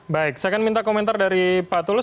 baik saya akan minta komentar dari pak tulus